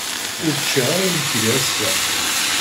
Ur ččiɣ ara imekli ass-a.